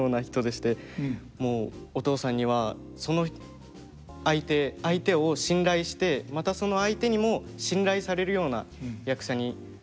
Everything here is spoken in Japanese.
もうお父さんにはその相手相手を信頼してまたその相手にも信頼されるような役者になれと。